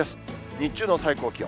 日中の最高気温。